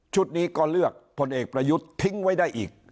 นี้ก็เลือกพลเอกประยุทธ์ทิ้งไว้ได้อีก